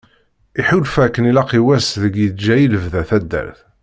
Iḥulfa akken ilaq i wass deg yeğğa i lebda taddart.